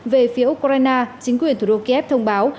về phía ukraine chính quyền thủ đô kiev thông báo